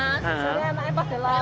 sebenarnya anaknya pas di lalik